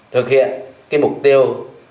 thực hiện mục tiêu